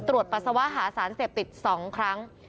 ปัสสาวะหาสารเสพติด๒ครั้ง